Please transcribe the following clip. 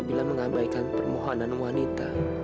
bila mengabaikan permohonan wanita